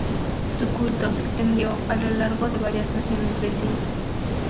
Su culto se extendió a lo largo de varias naciones vecinas.